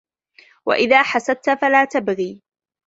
وَإِذَا حَسَدْتَ فَلَا تَبْغِ